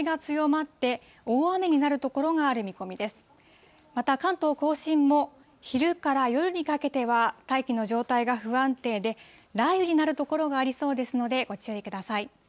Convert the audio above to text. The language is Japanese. また、関東甲信も昼から夜にかけては大気の状態が不安定で、雷雨になる所がありそうですので、ご注意ください。